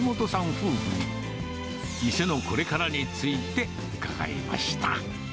夫婦に、店のこれからについて伺いました。